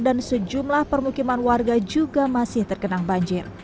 dan sejumlah permukiman warga juga masih terkenang banjir